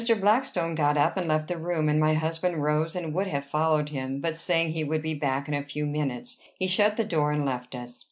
Blackstone got up and left the room, and my husband rose and would have followed him; but, saying he would be back in a few minutes, he shut the door and left us.